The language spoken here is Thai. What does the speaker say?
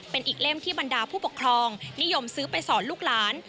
เป็นอีกเล่มที่บรรดาผู้ปกครองนิยมซื้อไปสอนลูกหลาน